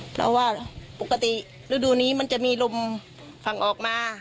เพราะว่าปกติฤดูนี้มันจะมีลมฝั่งออกมา